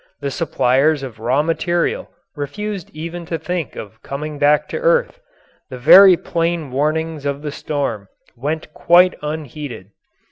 The suppliers of raw material refused even to think of coming back to earth. The very plain warnings of the storm went quite unheeded.